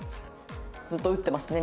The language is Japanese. ずっと打ってますね